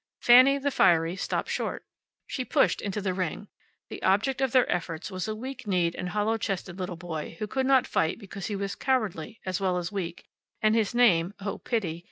Fanny, the fiery, stopped short. She pushed into the ring. The object of their efforts was a weak kneed and hollow chested little boy who could not fight because he was cowardly as well as weak, and his name (oh, pity!)